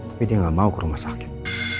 tapi dia nggak mau ke rumah sakit